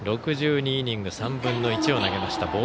６２イニング３分の１を投げました。